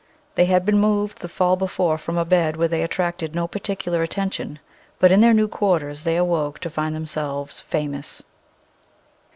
They had been moved the fall before from a bed where they attracted no par ticular attention, but in their new quarters they awoke to find themselves famous.